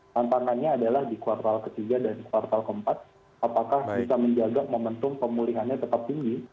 tantangannya adalah di kuartal ketiga dan kuartal keempat apakah bisa menjaga momentum pemulihannya tetap tinggi